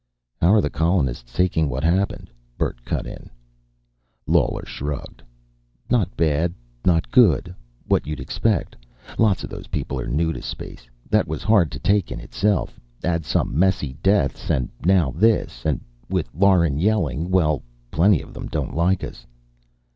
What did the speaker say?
"How are the colonists taking what happened?" Bert cut in. Lawler shrugged. "Not bad. Not good. What you'd expect. Lots of those people are new to space. That was hard to take in itself. Add some messy deaths, and now this. And with Lauren yelling well plenty of them don't like us."